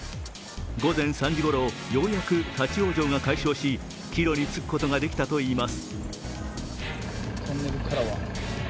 午前３時ごろ、ようやく立往生が解消し帰路につくことができたといいます。